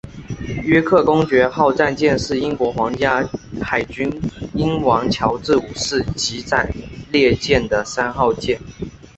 约克公爵号战舰是英国皇家海军英王乔治五世级战列舰的三号舰。